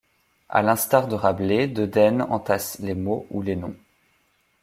À l'instar de Rabelais, De Dene entasse les mots ou les noms.